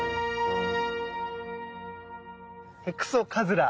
ヘクソカズラ！